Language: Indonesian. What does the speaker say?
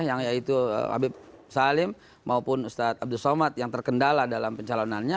yang yaitu habib salim maupun ustadz abdul somad yang terkendala dalam pencalonannya